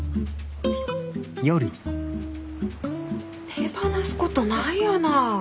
手放すことないやない。